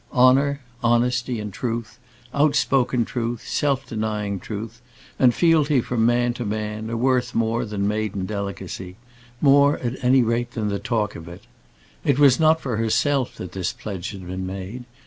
Honour, honesty, and truth, out spoken truth, self denying truth, and fealty from man to man, are worth more than maiden delicacy; more, at any rate, than the talk of it. It was not for herself that this pledge had been made.